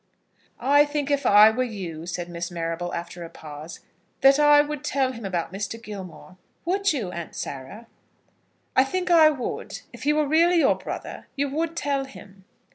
"I think if I were you," said Miss Marrable, after a pause, "that I would tell him about Mr. Gilmore." "Would you, Aunt Sarah?" "I think I would. If he were really your brother you would tell him."